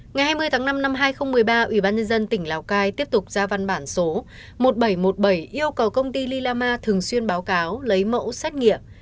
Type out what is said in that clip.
ngày hai mươi tháng năm năm hai nghìn một mươi ba ubnd tỉnh lào cai tiếp tục ra văn bản số một nghìn bảy trăm một mươi bảy yêu cầu công ty lilama thường xuyên báo cáo lấy mẫu xét nghiệm